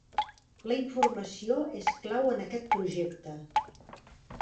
La informació és clau en aquest projecte.